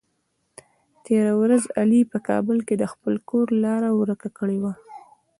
تېره ورځ علي په کابل کې د خپل کور لاره ور که کړې وه.